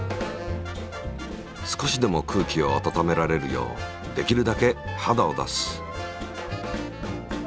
少しでも空気を温められるようできるだけ肌を出す。